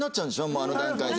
もうあの段階で。